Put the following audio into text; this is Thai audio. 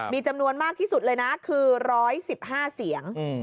มีจำนวนมากที่สุดเลยนะคือ๑๑๕เสียง